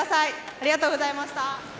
ありがとうございます。